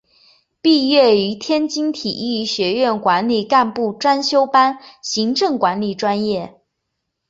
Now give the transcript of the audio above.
毕业于天津体育学院管理干部专修班行政管理专业。